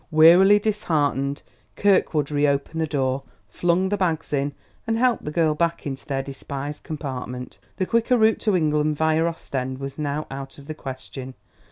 Wearily, disheartened, Kirkwood reopened the door, flung the bags in, and helped the girl back into their despised compartment; the quicker route to England via Ostend was now out of the question.